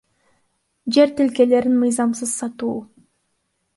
Жер тилкелерин мыйзамсыз сатуу